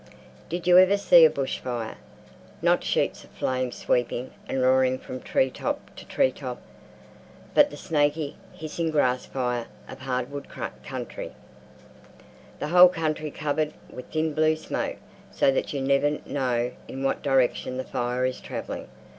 Did you ever see a bush fire? Not sheets of flame sweeping and roaring from tree top to tree top, but the snaky, hissing grass fire of hardwood country. The whole country covered with thin blue smoke so that you never know in what direction the fire is travelling.